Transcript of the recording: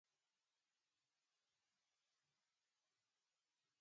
The next southerly inhabited outpost of South America is the lighthouse of Cape Horn.